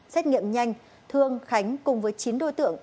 xét nghiệm nhanh thương khánh cùng với chín đối tượng